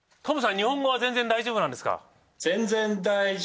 日本語は全然大丈夫なんですか？